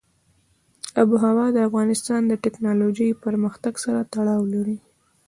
آب وهوا د افغانستان د تکنالوژۍ پرمختګ سره تړاو لري.